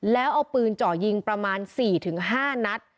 แล้วเอาปืนเจาะยิงประมาณ๔๕นัด